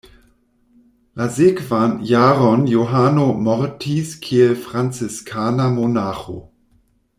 La sekvan jaron Johano mortis kiel franciskana monaĥo.